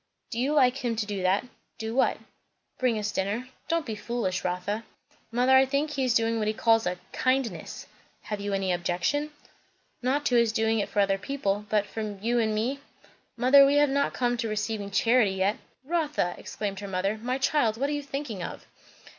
"Do you like him to do that?" "Do what?" "Bring us dinner." "Don't be foolish, Rotha." "Mother, I think he is doing what he calls a 'kindness.'" "Have you any objection?" "Not to his doing it for other people; but for you and me Mother, we have not come to receiving charity yet." "Rotha!" exclaimed her mother. "My child, what are you thinking of?"